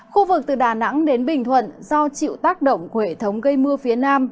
khu vực từ đà nẵng đến bình thuận do chịu tác động của hệ thống gây mưa phía nam